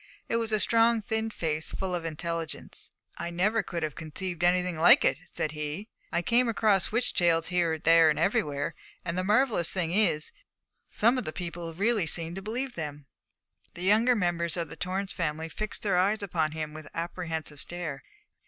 It was a strong, thin face, full of intelligence. 'I never could have conceived anything like it,' said he. 'I come across witch tales here, there, everywhere; and the marvellous thing is, some of the people really seem to believe them.' The younger members of the Torrance family fixed their eyes upon him with apprehensive stare.